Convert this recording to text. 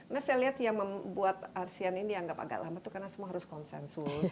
nah saya lihat yang membuat arsian ini dianggap agak lama itu karena semua harus konsensus